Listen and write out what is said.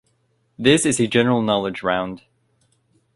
This is a general knowledge round.